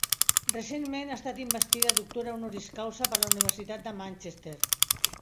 Recentment ha estat investida doctora honoris causa per la Universitat de Manchester.